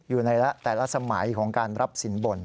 ในแต่ละสมัยของการรับสินบน